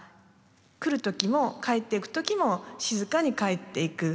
来る時も帰っていく時も静かに帰っていく。